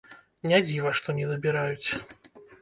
Не дзіва, што недабіраюць.